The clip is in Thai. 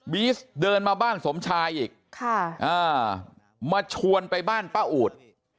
ีสเดินมาบ้านสมชายอีกมาชวนไปบ้านป้าอูด